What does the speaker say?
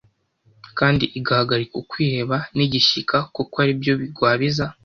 kandi igahagarika ukwiheba n’igishyika kuko ari byo bigwabiza